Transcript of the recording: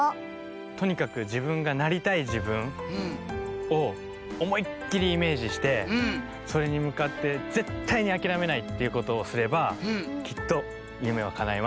とにかくじぶんがなりたいじぶんをおもいっきりイメージしてそれにむかってぜったいにあきらめないっていうことをすればきっとゆめはかないます。